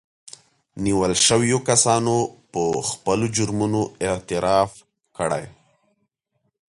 نيول شويو کسانو په خپلو جرمونو اعتراف کړی